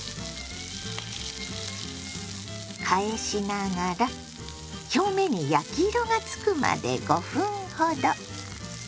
返しながら表面に焼き色がつくまで５分ほど。